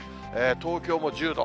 東京も１０度。